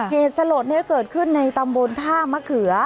เหตุสลดนี้เกิดขึ้นในตำบลท่ามะเขือ